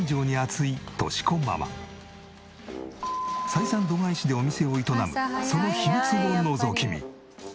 採算度外視でお店を営むその秘密をのぞき見。